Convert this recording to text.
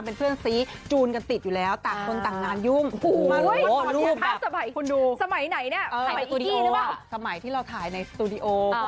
พวกเรามึงถ่ายอย่างนี้